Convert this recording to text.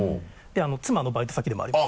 妻のバイト先でもあります。